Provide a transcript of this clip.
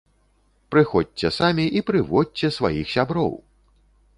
Прыходзьце самі і прыводзьце сваіх сяброў!